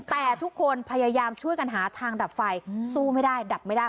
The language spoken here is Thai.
แต่ทุกคนพยายามช่วยกันหาทางดับไฟสู้ไม่ได้ดับไม่ได้